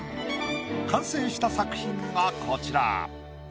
完成した作品がこちら。